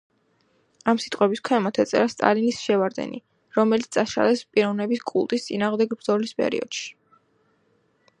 ამ სიტყვების ქვემოთ ეწერა „სტალინის შევარდენი“, რომელიც წაშალეს პიროვნების კულტის წინააღმდეგ ბრძოლის პერიოდში.